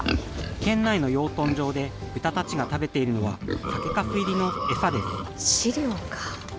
県内の養豚場で豚たちが食べているのは酒かす入りの餌です。